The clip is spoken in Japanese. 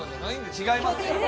違います。